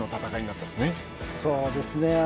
そうですね